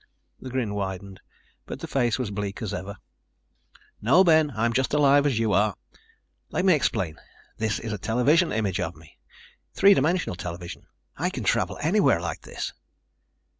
The grin widened, but the face was bleak as ever. "No, Ben, I'm just alive as you are. Let me explain. This is a television image of me. Three dimensional television. I can travel anywhere like this."